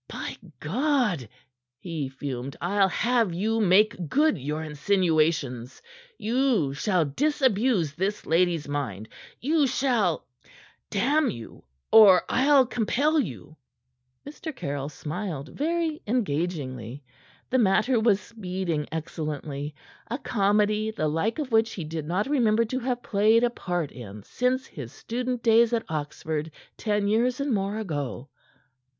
"By God!" he fumed, "I'll have you make good your insinuations. You shall disabuse this lady's mind. You shall damn you! or I'll compel you!" Mr. Caryll smiled very engagingly. The matter was speeding excellently a comedy the like of which he did not remember to have played a part in since his student days at Oxford, ten years and more ago.